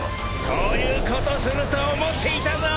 そういうことすると思っていたぞ